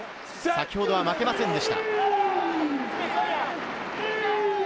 先ほどは負けませんでした。